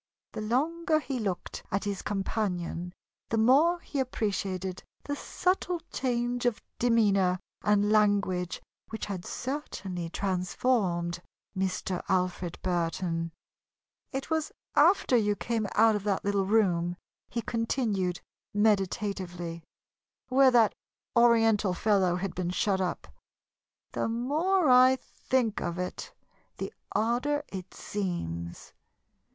The longer he looked at his companion, the more he appreciated the subtle change of demeanor and language which had certainly transformed Mr. Alfred Burton. "It was after you came out of that little room," he continued, meditatively, "where that Oriental fellow had been shut up. The more I think of it, the odder it seems.